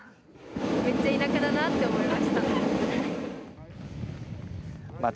めっちゃ田舎だなと思いました。